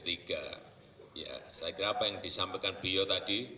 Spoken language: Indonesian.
ya saya kira apa yang disampaikan biyo tadi